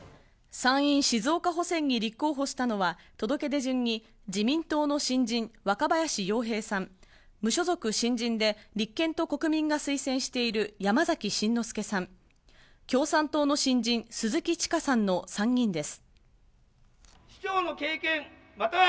参院静岡補選に立候補したのは届け出順に自民党の新人・若林洋平さん、無所属・新人で立憲と国民が推薦している山崎真之輔さん、共産党の新人・鈴木千佳さんの３人です。